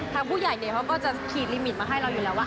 ทางผู้ใหญ่เขาก็จะขีดลิมิตมาให้เราอยู่แล้วว่า